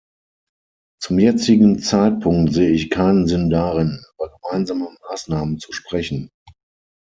Zum jetzigen Zeitpunkt sehe ich keinen Sinn darin, über gemeinsame Maßnahmen zu sprechen.